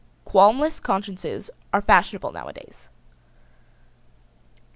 Qualmless consciences are fashionable nowadays.